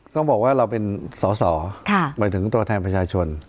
ต้องบอกว่าเราเป็นสอสอหมายถึงตัวแทนประชาชน